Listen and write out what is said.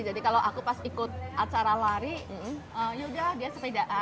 jadi kalau aku pas ikut acara lari yaudah dia setidaknya